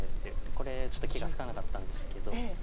これちょっと気が付かなかったんですけど。